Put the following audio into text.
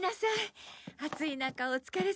暑い中お疲れさま。